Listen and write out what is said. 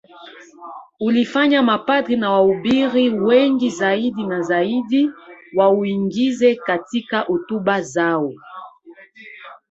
Ulifanya mapadri na wahubiri wengi zaidi na zaidi wauingize katika hotuba zao